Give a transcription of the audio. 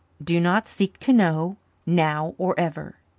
Do not seek to know now or ever.